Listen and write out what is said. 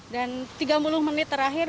dan tiga puluh menit terakhir